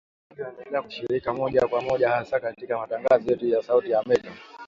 Wasikilizaji waendelea kushiriki moja kwa moja hasa katika matangazo yetu ya Sauti ya Amerika.